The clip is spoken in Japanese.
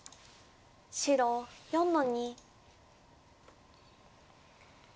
白４の二。